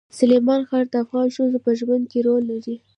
سلیمان غر د افغان ښځو په ژوند کې رول لري.